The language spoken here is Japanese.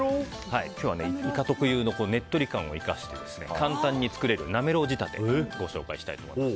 今日はイカ特有のねっとり感を生かして簡単に作れるなめろう仕立てをご紹介したいと思います。